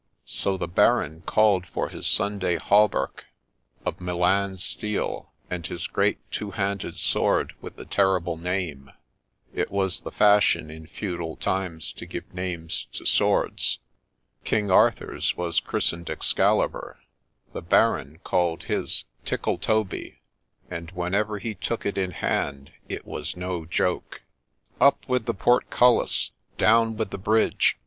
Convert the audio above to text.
So the Baron called for his Sunday hauberk of Milan steel, and his great two handed sword with the terrible name :— it was the fashion in feudal times to give names to swords : King Arthur's was A LEGEND OF SHEPPEY 49 christened Excalibar ; the Baron called his Tickletoby, and when ever he took it in hand it was no joke. ' Up with the portcullis ! down with the bridge